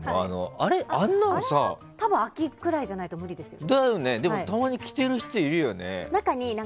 あれは秋ぐらいじゃないと無理ですね。